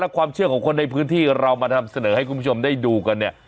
ความเชื่อของคนในพื้นที่เรามานำเสนอให้คุณผู้ชมได้ดูกันเนี่ย